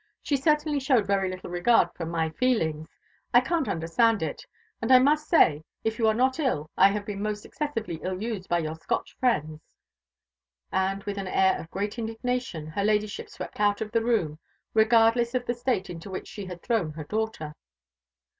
She certainly showed very little regard for my feelings. I can't understand it; and I must say, if you are not ill, I have been most excessively ill used by your Scotch friends." And, with an air of great indignation, her Ladyship swept out of the room, regardless of the state into which she had thrown her daughter.